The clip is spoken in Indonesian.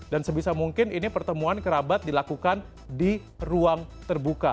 dan sebisa mungkin ini pertemuan kerabat dilakukan di ruang terbuka